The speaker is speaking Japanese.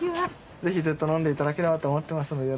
ぜひずっと飲んでいただければと思ってますので。